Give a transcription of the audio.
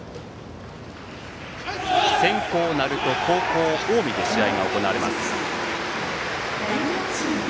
先攻、鳴門後攻、近江で試合が行われます。